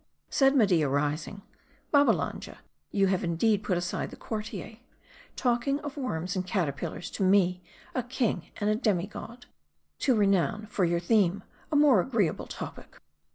Said Media, rising, " Babbalanja, you have indeed put aside the courtier ; talking of worms and caterpillars to me, a king and a demi god ! To renown, for your theme : a more agreeable topic."